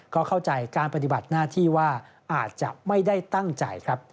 ก็เข้าใจการปฏิบัติหน้าที่ว่าอาจจะไม่ได้ตั้งใจครับ